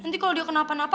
nanti kalau dia kenapa napa